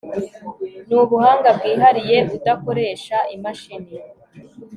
ni ubuhanga bwihariye udakoresha imashini